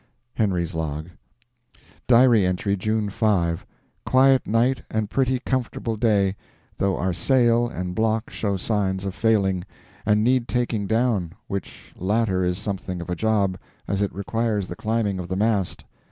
Henry's Log. (Diary entry) June 5. Quiet night and pretty comfortable day, though our sail and block show signs of failing, and need taking down which latter is something of a job, as it requires the climbing of the mast.